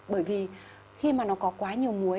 bởi vì khi mà nó có quá nhiều muối